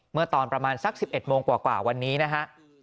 เมื่อตอนประมาณสัก๑๑โมงกว่าวันนี้นะฮะ